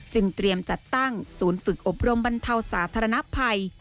เตรียมจัดตั้งศูนย์ฝึกอบรมบรรเทาสาธารณภัย